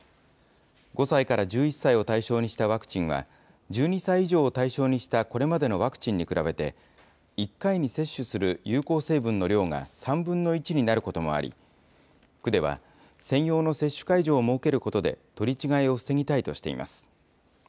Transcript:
５歳から１１歳を対象にしたワクチンは、１２歳以上を対象にしたこれまでのワクチンに比べて、１回に接種する有効成分の量が３分の１になることもあり、区では専用の接種会場を設けることで、取り違えを防ぎたいとしています。